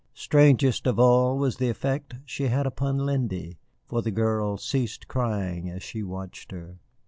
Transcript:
Strangest of all was the effect she had upon Lindy, for the girl ceased crying as she watched her.